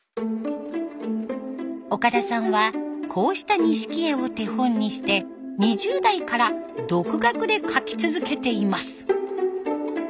岡田さんはこうした錦絵を手本にして２０代から独学で描き続けています。